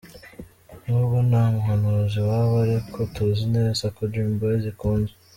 Nubwo nta muhanuzi iwabo ariko tuzi neza ko Dream Boyz ikunzwe.